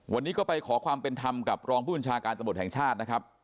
วันนี้ก็ไปขอความเป็นธรรมกับรองผู้บัญชาการตำรวจแห่งชาตินะครับ